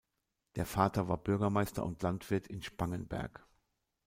Der Vater war Bürgermeister und Landwirt in Spangenberg.